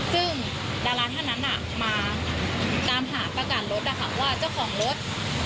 ซึ่งดาราธนันทร์มาตามหาประกาศรถว่าเจ้าของรถ